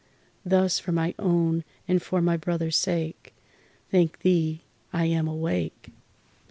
Thus, for my own and for my brother's sake Thank Thee I am awake!